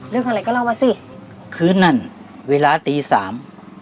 เรื่องอะไรก็เล่ามาสิคืนนั้นเวลาตีสาม